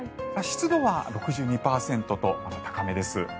湿度は６２％と高めです。